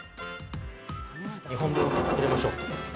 ２本分入れましょう。